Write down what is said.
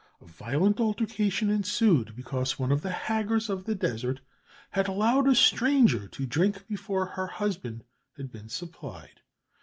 A violent altercation ensued, because one of the Hagars of the desert had allowed a stranger to drink before her husband had been supplied.